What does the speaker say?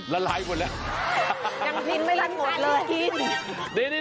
ละลายหมดแล้วยังกินไม่ทันหมดเลยกิน